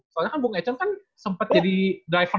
soalnya kan bung econ kan sempat jadi driver